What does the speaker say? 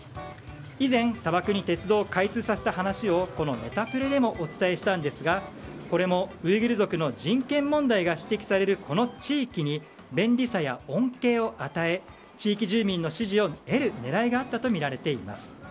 以前、砂漠に鉄道を開通させた話をこのネタプレでもお伝えしたんですがこれもウイグル族の人権問題が指摘されるこの地域に便利さや恩恵を与え地域住民の支持を得る狙いがあったとみられています。